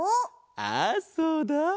ああそうだ。